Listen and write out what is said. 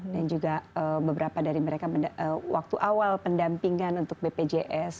dan juga beberapa dari mereka waktu awal pendampingan untuk bpjs